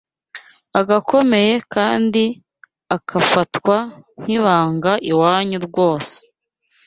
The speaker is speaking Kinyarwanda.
agakomeye kandi akafatwa nkibanga Iwanyu rwose